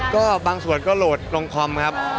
ก็บางส่วนก็โหลดลงคอมครับ